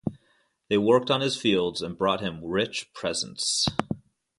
They worked on his fields and brought him rich presents.